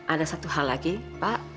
ada satu hal lagi pak